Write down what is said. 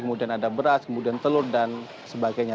kemudian ada beras kemudian telur dan sebagainya